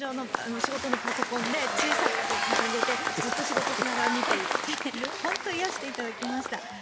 仕事のパソコンで小さく掲げてずっと仕事しながら見ていて本当に癒やしていただきました。